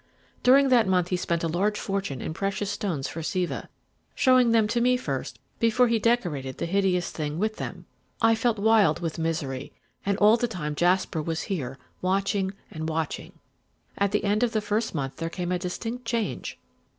During that month he spent a large fortune in precious stones for Siva, showing them to me first before he decorated the hideous thing with them. I felt wild with misery, and all the time Jasper was here watching and watching. At the end of the first month there came a distinct change.